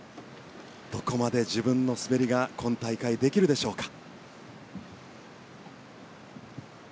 どこまで自分の滑りが今大会、できるでしょうか。